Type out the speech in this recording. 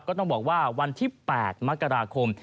ก็ต้องบอกว่าวันที่๘มกราคม